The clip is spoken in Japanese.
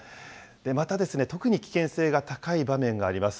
またですね、特に危険性が高い場面があります。